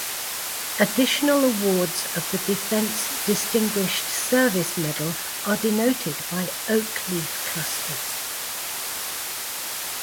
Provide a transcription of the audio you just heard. Additional awards of the Defense Distinguished Service Medal are denoted by oak leaf clusters.